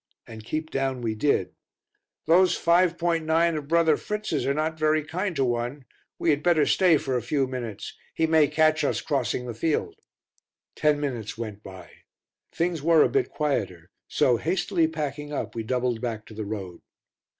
And keep down we did. "Those 5.9 of brother Fritz's are not very kind to one; we had better stay for a few minutes; he may catch us crossing the field." Ten minutes went by; things were a bit quieter, so, hastily packing up, we doubled back to the road.